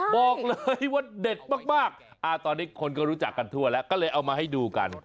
บอกเลยว่าเด็ดมากตอนนี้คนก็รู้จักกันทั่วแล้วก็เลยเอามาให้ดูกัน